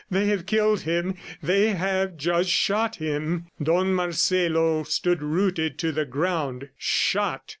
"They have killed him. ... They have just shot him." Don Marcelo stood rooted to the ground. Shot! ..